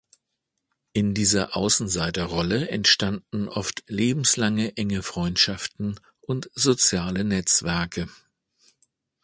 In dieser Außenseiterrolle entstanden oft lebenslange enge Freundschaften und soziale Netzwerke.